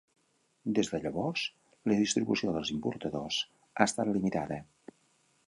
Des de llavors, la distribució dels importadors ha estat limitada.